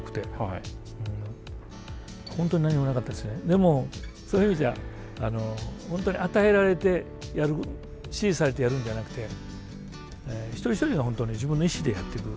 でもそういう意味じゃ本当に与えられてやる指示されてやるんじゃなくて一人一人が本当に自分の意思でやっていく。